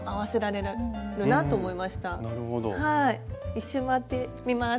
１周回ってみます。